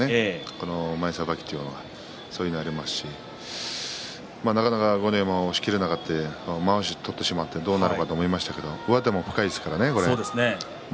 この前さばきというのがそういうのがありますしなかなか豪ノ山は押しきれなくてまわしを取ってしまってどうなるかと思いましたが上手も深いですからね、豪ノ山は。